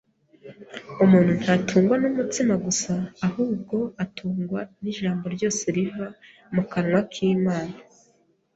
Umuntu ntatungwa n’umutsima gusa, ahubwo atungwa n’ijambo ryose riva mu kanwa k’Imana